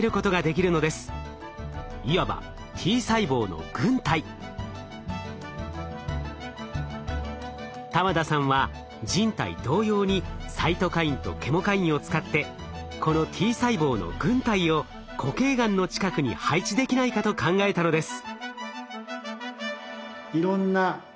いわば玉田さんは人体同様にサイトカインとケモカインを使ってこのＴ細胞の軍隊を固形がんの近くに配置できないかと考えたのです。